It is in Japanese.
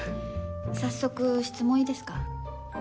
早速質問いいですか？